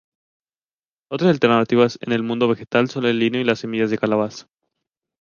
Otras alternativas en el mundo vegetal son el lino y las semillas de calabaza.